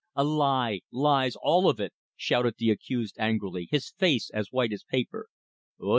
"A lie lies, all of it!" shouted the accused angrily, his face as white as paper.